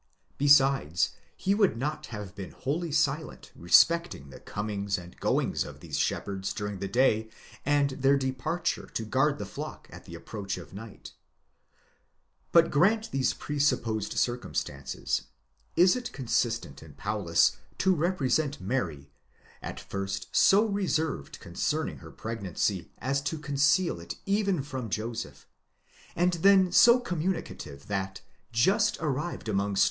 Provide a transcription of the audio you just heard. besides he would not have been wholly silent respecting the comings and goings of these shepherds during the day, and their departure to guard the flock at the approach of night. But, grant these presupposed circumstances, is it consistent in Paulus to represent Mary, at first so reserved concerning her pregnancy as to conceal it even from Joseph, and then so communicative that, just arrived among strangers, she 10 In seinem Versuch iiber die Wundergeschichten des N.